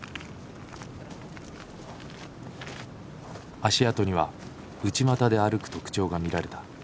足跡には内股で歩く特徴が見られた。